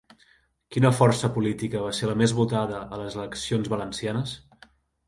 Quina força política va ser la més votada a les eleccions valencianes?